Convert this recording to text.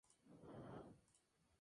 Mary Dudley estaba bien educada.